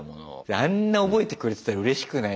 あんな覚えてくれてたらうれしくない？